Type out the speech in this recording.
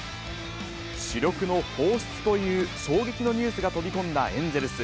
主力の放出という衝撃のニュースが飛び込んだエンゼルス。